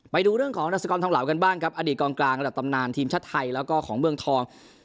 ไปดูเรื่องของรัศกรทองเหลากันบ้างครับอดีตกองกลางระดับตำนานทีมชาติไทยแล้วก็ของเมืองทอง